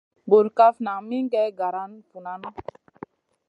Bur NDA ndo kaf nan min gue gara vu nanu.